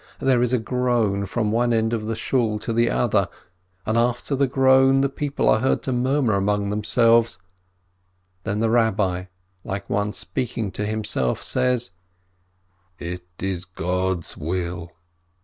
There is a groan from one end of the Shool to the other, and after the groan the people are heard to murmur among them selves. Then the Rabbi, like one speaking to himself, says : "It is God's will.